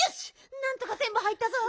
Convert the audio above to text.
なんとかぜんぶ入ったぞ！